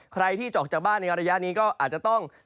ใครที่จะออกจากบ้านในระยะนี้ก็อาจจะต้อง